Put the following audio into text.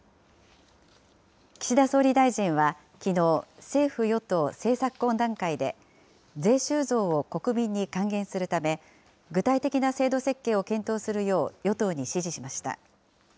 岸田総理大臣はきのう、政府与党政策懇談会で、税収増を国民に還元するため、具体的な制度設計を検討するよう、与党に指示しました。